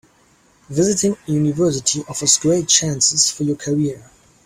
Visiting a university offers great chances for your career.